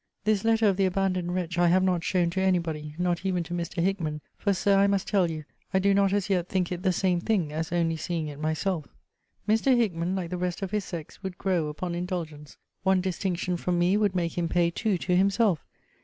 This letter of the abandoned wretch I have not shown to any body; not even to Mr. Hickman: for, Sir, I must tell you, I do not as yet think it the same thing as only seeing it myself. Mr. Hickman, like the rest of his sex, would grow upon indulgence. One distinction from me would make him pay two to himself.